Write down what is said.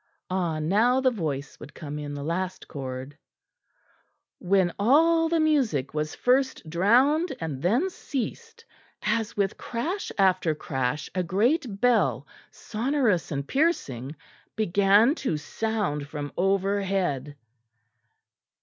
Ah! now the voice would come in the last chord when all the music was first drowned and then ceased, as with crash after crash a great bell, sonorous and piercing, began to sound from overhead.